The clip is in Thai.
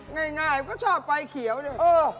ง่ายก็ชอบไฟเขียวเนี่ย